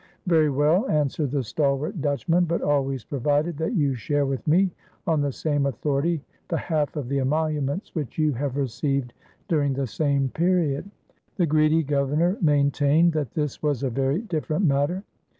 "Very well," answered the stalwart Dutchman, "but always provided that you share with me on the same authority the half of the emoluments which you have received during the same period." The greedy Governor maintained that this was a very different matter.